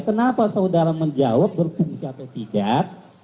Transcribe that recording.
kenapa saudara menjawab berfungsi atau tidak